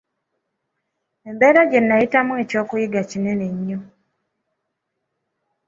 Embeera gye nnayitamu eky'okuyiga kinene nnyo.